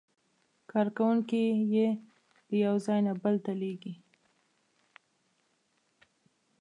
کارکوونکي یې له یو ځای نه بل ته لېږي.